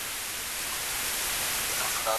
ځورونه په ښوونځیو کي سختي رواني پایلي لري.